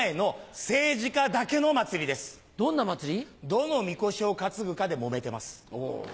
どのみこしを担ぐかでもめてます。